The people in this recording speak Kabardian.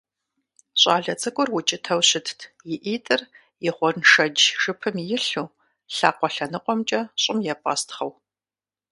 ЩӀалэ цӀыкӀур укӀытэу щытт, и ӀитӀыр и гъуэншэдж жыпым илъу, лъакъуэ лъэныкъуэмкӀэ щӀым епӀэстхъыу.